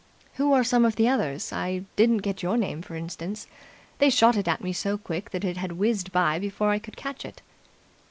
"Who are some of the others? I didn't get your name, for instance. They shot it at me so quick that it had whizzed by before I could catch it."